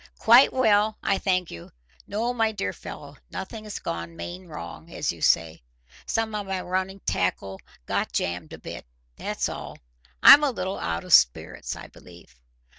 "Quite well, I thank you. No, my dear fellow, nothing's gone main wrong, as you say. Some of my running tackle got jammed a bit, that's all. I'm a little out of spirits, I believe."